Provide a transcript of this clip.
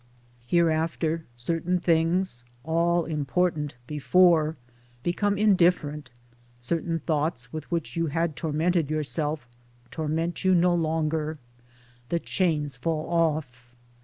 Hereafter certain things, all important before, become indifferent ; certain thoughts with which you had tormented yourself torment you no longer; the chains fall off.